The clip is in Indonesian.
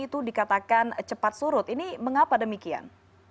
itu dikatakan cepat surut ini mengapa demikian